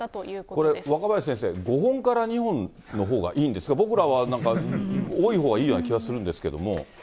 これ、若林先生、５本から２本のほうがいいんですか、僕らはなんか多いほうがいいような気がするんですけれども。